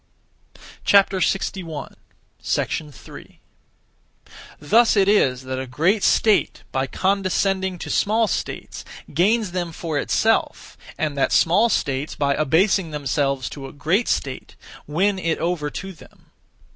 3. Thus it is that a great state, by condescending to small states, gains them for itself; and that small states, by abasing themselves to a great state, win it over to them.